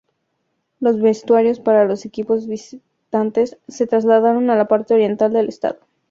Los vestuarios para los equipos visitantes se trasladaron a la parte oriental del estadio.